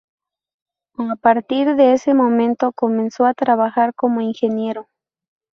A partir de ese momento comenzó a trabajar como ingeniero.